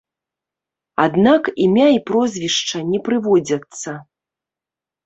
Аднак імя і прозвішча не прыводзяцца.